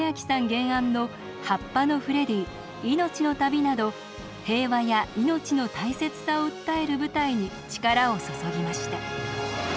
原案の「葉っぱのフレディいのちの旅」など平和や命の大切さを訴える舞台に力を注ぎました。